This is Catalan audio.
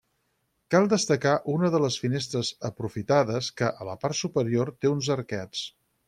Cal destacar una de les finestres aprofitades que a la part superior té uns arquets.